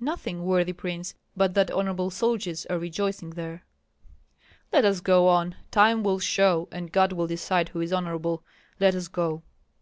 "Nothing, worthy prince, but that honorable soldiers are rejoicing there." "Let us go on. Time will show, and God will decide who is honorable. Let us go!"